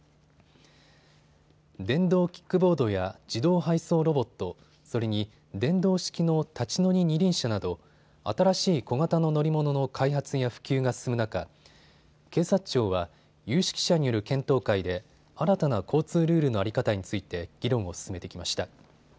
電動キックボードや自動配送ロボット、それに電動式の立ち乗り二輪車など新しい小型の乗り物の開発や普及が進む中、警察庁は有識者による検討会で新たな交通ルールの在り方について議論を進めてきました。